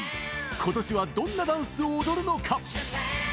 ことしはどんなダンスを踊るのか。